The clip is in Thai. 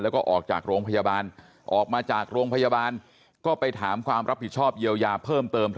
แล้วก็ออกจากโรงพยาบาลออกมาจากโรงพยาบาลก็ไปถามความรับผิดชอบเยียวยาเพิ่มเติม